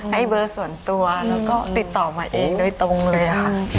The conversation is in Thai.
ให้เบอร์ส่วนตัวแล้วก็ติดต่อมาเองโดยตรงเลยค่ะ